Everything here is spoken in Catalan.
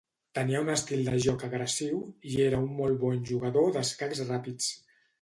Tenia un estil de joc agressiu, i era un molt bon jugador d'escacs ràpids.